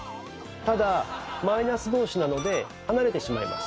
ただマイナス同士なので離れてしまいます。